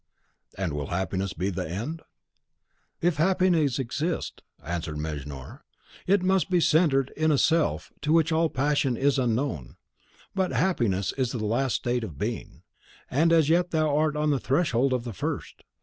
"And will happiness be the end?" "If happiness exist," answered Mejnour, "it must be centred in a SELF to which all passion is unknown. But happiness is the last state of being; and as yet thou art on the threshold of the first."